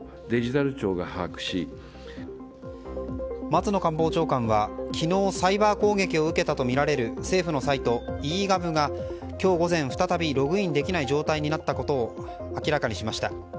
松野官房長官は昨日、サイバー攻撃を受けたとみられる政府のサイトｅ‐Ｇｏｖが今日午前、再びログインできない状態になったことを明らかにしました。